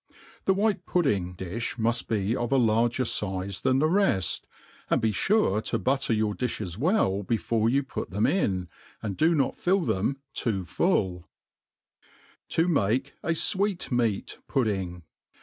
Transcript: Thp white pudding difli muft be of a larger fize than the reft ; and be fure to butter your difiies well before you put them in^ and do not fill them too fulU To make. a Swat' Meat Pudding.